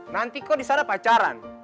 nanti kok disana pacaran